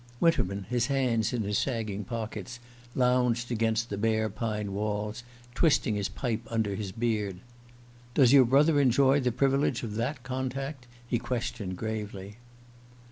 Winterman, his hands in his sagging pockets, lounged against the bare pine walls, twisting his pipe under his beard. "Does your brother enjoy the privilege of that contact?" he questioned gravely.